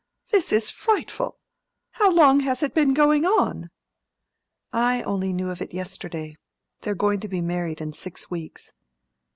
"This is frightful. How long has it been going on?" "I only knew of it yesterday. They are to be married in six weeks."